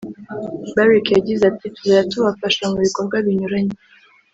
Barick yagize ati “ Tuzajya tubafasha mu bikorwa binyuranye